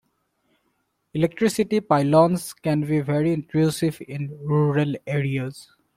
Electricity pylons can be very intrusive in rural areas